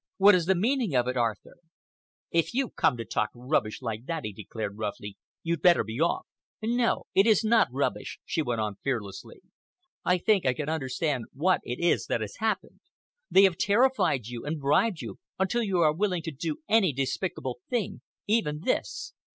What is the meaning of it, Arthur?" "If you've come to talk rubbish like that," he declared roughly, "you'd better be off." "No, it is not rubbish!" she went on fearlessly. "I think I can understand what it is that has happened. They have terrified you and bribed you until you are willing to do any despicable thing—even this.